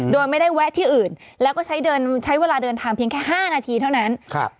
โดยไม่ได้แวะที่อื่นแล้วก็ใช้เดินใช้เวลาเดินทางเพียงแค่๕นาทีเท่านั้น